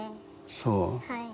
そう。